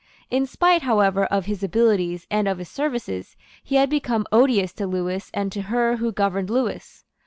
In spite, however, of his abilities and of his services, he had become odious to Lewis and to her who governed Lewis.